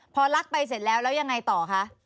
พอลักไปเสร็จแล้วแล้วยังไงต่อคะ